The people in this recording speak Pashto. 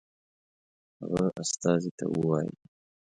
هغه استازي ته ووايي.